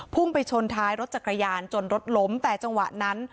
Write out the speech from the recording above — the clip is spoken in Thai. พุ่งไปชนท้ายรถจักรยานจนรถล้มแต่จังหวะนั้น